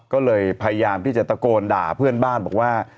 ก็เลยพยายามที่จะตะโกนด่าเพื่อนบ้านบอกว่า